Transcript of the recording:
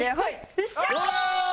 よっしゃー！